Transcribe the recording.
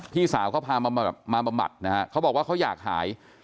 พี่สาวเขาพามาบำบัดนะฮะเขาบอกว่าเขาอยากหาย